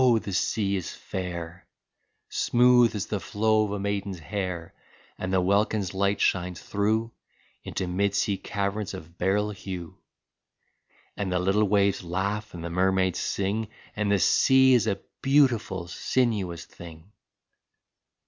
the sea is fair, Smooth as the flow of a maiden's hair; And the welkin's light shines through Into mid sea caverns of beryl hue, And the little waves laugh and the mermaids sing, And the sea is a beautiful, sinuous thing!